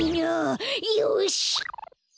よし！